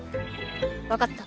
わかった。